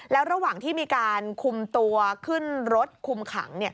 แล้วระหว่างที่มีการคุมตัวขึ้นรถคุมขัง